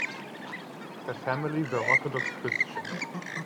The family were Orthodox Christians.